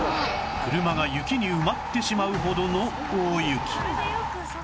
車が雪に埋まってしまうほどの大雪